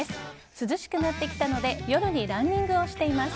涼しくなってきたので夜にランニングをしています。